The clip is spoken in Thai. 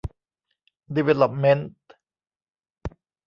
ดีเวลลอปเม้นท์